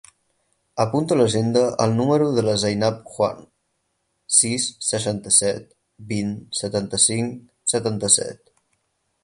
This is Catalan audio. Apunta a l'agenda el número de la Zainab Juan: sis, seixanta-set, vint, setanta-cinc, setanta-set.